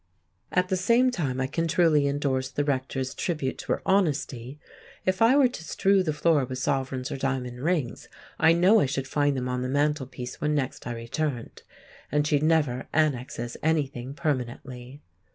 At the same time I can truly endorse the Rector's tribute to her honesty. If I were to strew the floor with sovereigns or diamond rings, I know I should find them on the mantelpiece when next I returned, and she never annexes anything permanently.